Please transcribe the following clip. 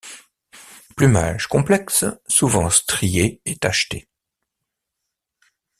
Plumage complexe, souvent striés et tachetés.